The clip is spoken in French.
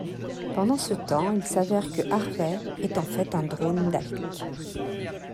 Pendant ce temps, il s'avère que Harvey est en fait un drone Dalek.